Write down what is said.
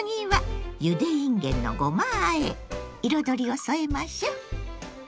次は彩りを添えましょう。